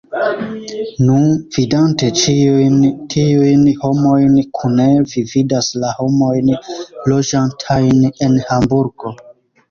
Nu, vidante ĉiujn tiujn homojn kune, vi vidas la homojn loĝantajn en Hamburgo.